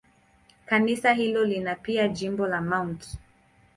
Kanisa hilo lina pia jimbo la Mt.